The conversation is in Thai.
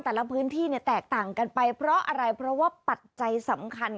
แต่ละพื้นที่เนี่ยแตกต่างกันไปเพราะอะไรเพราะว่าปัจจัยสำคัญ